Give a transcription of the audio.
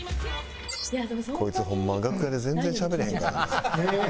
こいつホンマは楽屋で全然しゃべれへんからな。